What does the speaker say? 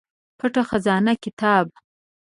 پټه خزانه کتاب